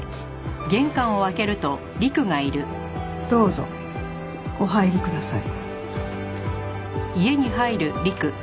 どうぞお入りください。